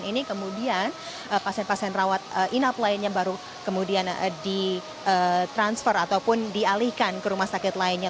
ini kemudian pasien pasien rawat inap lainnya baru kemudian di transfer ataupun dialihkan ke rumah sakit lainnya